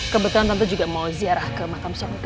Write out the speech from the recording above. kebetulan tante juga mau ziarah ke makam suami tante